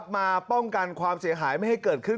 มาป้องกันความเสียหายไม่ให้เกิดขึ้น